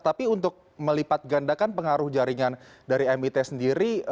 tapi untuk melipat gandakan pengaruh jaringan dari mit sendiri